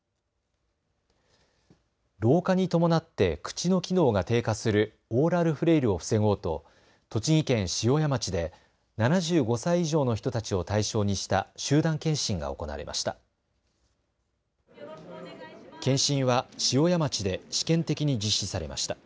老化に伴って口の機能が低下するオーラルフレイルを防ごうと栃木県塩谷町で７５歳以上の人たちを対象にした集団検診が行われました。